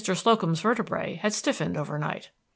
Slocum's vertebræ had stiffened over night.